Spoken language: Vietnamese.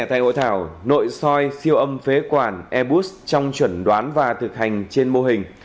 tại hội thảo nội soi siêu âm phế quản airbus trong chuẩn đoán và thực hành trên mô hình